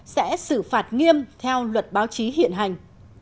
sẽ xử phạt nghiêm theo luật báo chí hiện hành